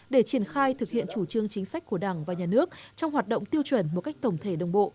để triển khai thực hiện chủ trương chính sách của đảng và nhà nước trong hoạt động tiêu chuẩn một cách tổng thể đồng bộ